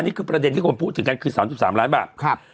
อันนี้คือประเด็นที่ผมพูดถึงกันคือสามจุดสามล้านบาทครับ